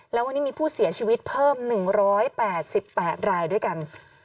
แล้ววันนี้มีผู้เสียชีวิตเพิ่ม๑๘๘รายด้วยกัน